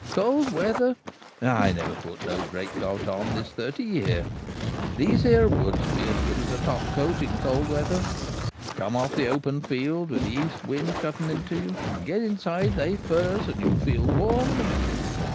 — cold weather ! I never put no great coat on this thirty year. These here woods be as good as a topcoat in cold weather. Come off the open field with the east wind cutting into you, and get inside they firs and you'll feel warm in a minute.